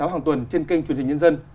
hàng tuần trên kênh truyền hình nhân dân